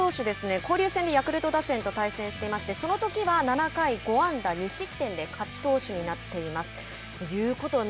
交流戦でヤクルト打線と対戦していましてそのときは７回５安打２失点で勝ち投手になっています。